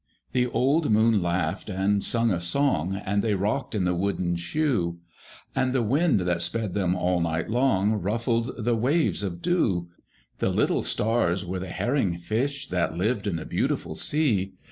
The old moon laughed and sung a song, As they rocked in the wooden shoe; And the wind that sped them all night long Ruffled the waves of dew; The little stars were the herring fish That lived in the beautiful sea.